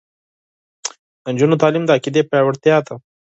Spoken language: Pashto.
د نجونو تعلیم د عقیدې پیاوړتیا ده.